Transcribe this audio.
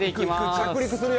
着陸するよ！